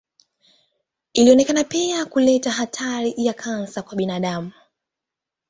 Ilionekana pia kuleta hatari ya kansa kwa binadamu.